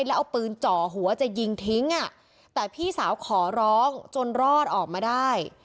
แล้วเอาปืนจ่อหัวจะยิงทิ้งอ่ะแต่พี่สาวขอร้องจนรอดออกมาได้